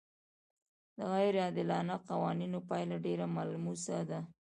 د غیر عادلانه قوانینو پایله ډېره ملموسه ده.